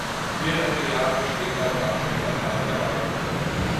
Mehrere Jahre später trat sie der Partei wieder bei.